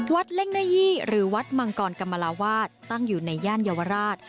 เล่งหน้ายี่หรือวัดมังกรกรรมลาวาสตั้งอยู่ในย่านเยาวราช